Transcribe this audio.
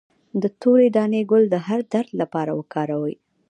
د تورې دانې ګل د هر درد لپاره وکاروئ